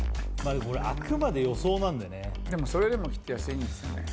これあくまで予想なんでねでもそれでもきっと安いんですよね